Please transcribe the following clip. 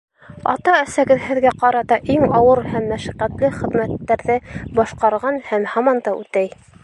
Ата-әсәгеҙ һеҙгә ҡарата иң ауыр һәм мәшәҡәтле хеҙмәттәрҙе башҡарған һәм һаман да үтәй.